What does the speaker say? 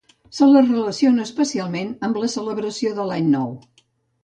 Se la relaciona especialment amb la celebració de l'Any Nou.